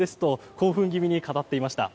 興奮気味に語っていました。